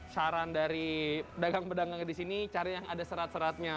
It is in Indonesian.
saran dari dagang dagangnya disini caranya yang ada serat seratnya